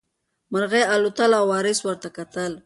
مرغۍ الوتله او وارث ورته کتل.